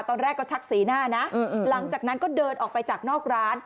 ตอนแรกก็ชักสีหน้านะหลังจากนั้นก็เดินออกไปจากนอกร้าน